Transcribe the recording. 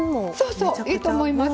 そういいと思います。